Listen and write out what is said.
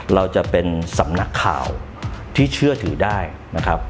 เราจะเป็นสำนักข่าวที่เชื่อถือได้นะครับ